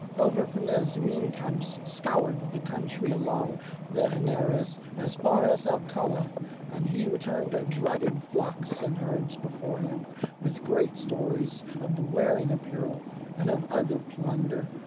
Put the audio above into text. Alvar Fanez meantime scoured the country along the Henares as far as Alcala, and he returned driving flocks and herds before him, with great stores of wearing apparel, and of other plunder.